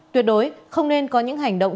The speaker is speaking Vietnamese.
tuyệt đối không nên có những hành động